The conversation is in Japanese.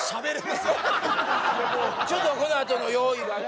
ちょっとこのあとの用意がね・